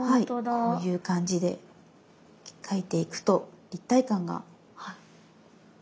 こういう感じで描いていくと立体感が出ます。